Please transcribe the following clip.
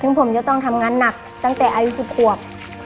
ซึ่งผมจะต้องทำงานหนักตั้งแต่อายุ๑๐ขวบ